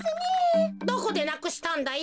どこでなくしたんだよ？